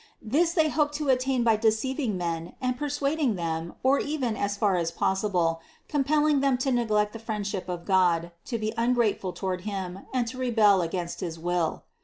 This they hoped to attain by deceiving men, and persuading them, or even, as far as possible, compelling them to neglect the friendship of God, to be ungrateful toward Him, and to rebel against his will.